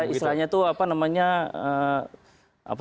istilahnya itu apa namanya